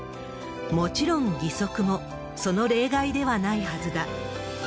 もちろん義足も、その例外ではないはずだ。